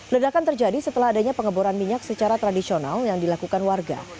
ledakan terjadi setelah adanya pengeboran minyak secara tradisional yang dilakukan warga